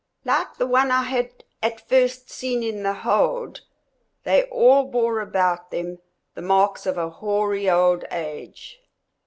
Like the one I had at first seen in the hold, they all bore about them the marks of a hoary old age.